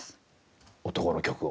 男の曲を。